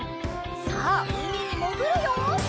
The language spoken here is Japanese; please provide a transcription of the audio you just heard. さあうみにもぐるよ！